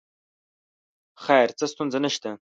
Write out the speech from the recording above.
خیر څه ستونزه نه شته.